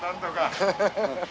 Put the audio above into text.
ハハハハ。